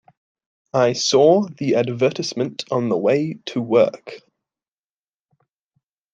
I saw the advertisement on the way to work.